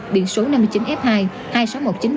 biển số năm mươi chín f hai hai mươi sáu nghìn một trăm chín mươi